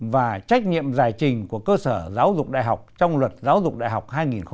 và trách nhiệm giải trình của cơ sở giáo dục đại học trong luật giáo dục đại học hai nghìn hai mươi